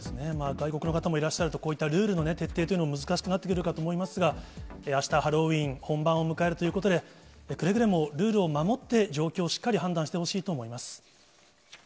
外国の方もいらっしゃると、こういったルールの徹底というのも難しくなってくるかと思いますが、あした、ハロウィーン本番を迎えるということで、くれぐれもルールを守って、状況をしっかり判断してほしいと思います。